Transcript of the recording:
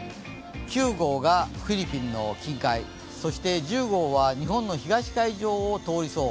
９号がフィリピンの近海、そして、１０号は日本の東海上を通りそう。